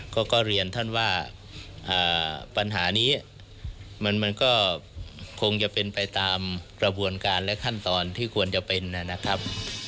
ก็เรียนท่านว่าปัญหานี้มันก็คงจะเป็นไปตามกระบวนการและขั้นตอนที่ควรจะเป็นนะครับ